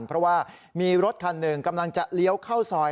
เพราะว่ามีรถคันหนึ่งกำลังจะเลี้ยวเข้าซอย